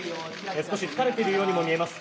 少し疲れているようにも見えます。